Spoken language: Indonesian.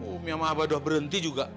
umi sama abah udah berhenti juga